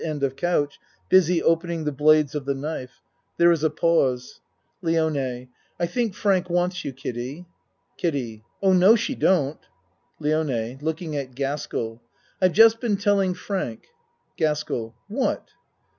end of couch busy opening the blades of the knife. There is a pause. ) LIONE I think Frank wants you, Kiddie. KIDDIE Oh, no, she don't. LIONE (Looking at Gaskell.) I've just been telling Frank GASKELL What